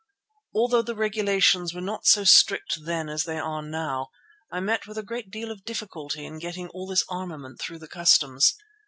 Although the regulations were not so strict then as they are now, I met with a great deal of difficulty in getting all this armament through the Customs.